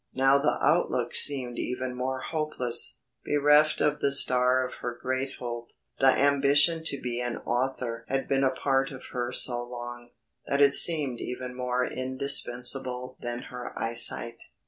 Now the outlook seemed even more hopeless, bereft of the star of her great hope. The ambition to be an author had been a part of her so long, that it seemed even more indispensable than her eye sight.